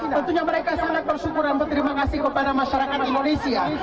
tentunya mereka sangat bersyukur dan berterima kasih kepada masyarakat indonesia